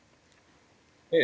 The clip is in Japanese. ええ。